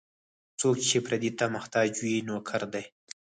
څوک چې پردي ته محتاج وي، نوکر دی.